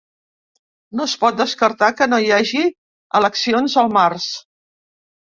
No es pot descartar que no hi hagi eleccions al març.